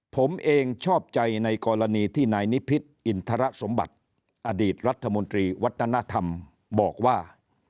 ผมเองชอบใจในกรณีที่นายนิพิษอินทรสมบัติอดีตรัฐมนตรีวัฒนธรรมบอกว่า